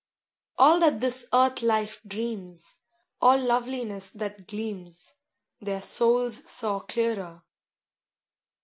All that this Earth life dreams, All loveliness that gleams, Their souls saw clearer.